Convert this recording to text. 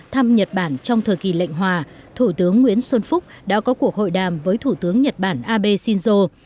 thăm nhật bản trong thời kỳ lệnh hòa thủ tướng nguyễn xuân phúc đã có cuộc hội đàm với thủ tướng nhật bản abe shinzo